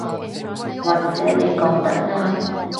或者你講得啱